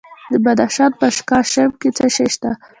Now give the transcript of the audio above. د بدخشان په اشکاشم کې څه شی شته؟